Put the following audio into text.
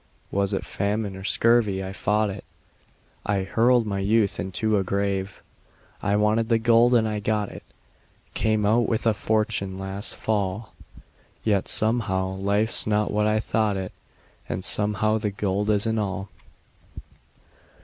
Was it famine or scurvy I fought it; I hurled my youth into a grave. I wanted the gold, and I got it Came out with a fortune last fall, Yet somehow life's not what I thought it, And somehow the gold isn't all.